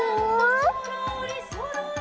「そろーりそろり」